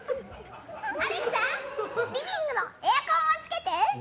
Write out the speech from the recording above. アレクサリビングのエアコンをつけて。